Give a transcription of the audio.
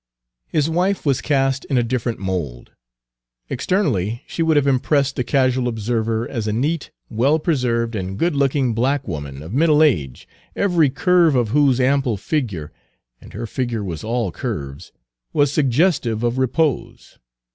His wife was cast in a different mould. Externally she would have impressed the casual observer as a neat, well preserved, and Page 212 good looking black woman, of middle age, every curve of whose ample figure and her figure was all curves was suggestive of repose.